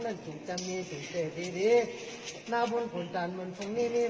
มันจุดจำมีสุทธิพิธีนาบุญคุณฐานมนต์พรุ่งนี้มี